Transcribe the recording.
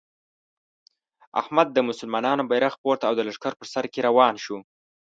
احمد د مسلمانانو بیرغ پورته او د لښکر په سر کې روان شو.